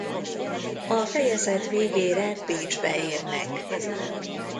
A fejezet végére Bécsbe érnek.